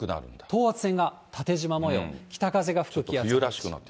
等圧線が縦じま模様、北風が吹く気圧配置。